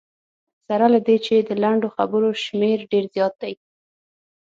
سره له دې چې د لنډو خبرو شمېر ډېر زیات دی.